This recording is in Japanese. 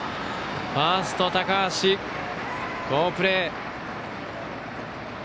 ファースト、高橋の好プレー。